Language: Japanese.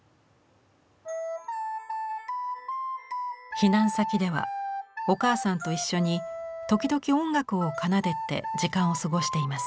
避難先ではお母さんと一緒に時々音楽を奏でて時間を過ごしています。